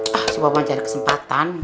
pak supaya pak mau cari kesempatan